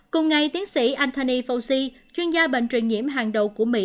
cùng ngày tiến sĩ antany fauci chuyên gia bệnh truyền nhiễm hàng đầu của mỹ